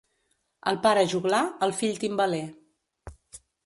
El pare joglar, el fill timbaler.